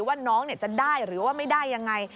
ว่าน้องจะได้หรือว่าไม่ได้ยังไง